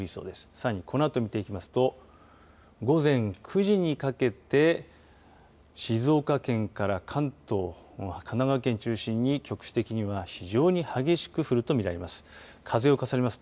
さらに、このあと見ていきますと午前９時にかけて静岡県から関東神奈川県中心に局地的には非常に激しく降るとみられます。